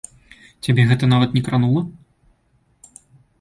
Цябе гэта нават не кранула?